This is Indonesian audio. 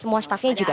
semua staffnya juga